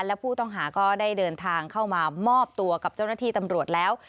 และผู้ต้องหาก็ได้เดินทางเข้ามามอบตัวกับเจ้าหน้าที่ตำรวจแล้ว